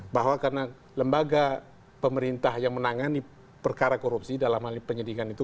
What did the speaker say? bahwa karena lembaga pemerintah yang menangani perkara korupsi dalam hal penyidikan itu